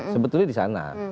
sebetulnya di sana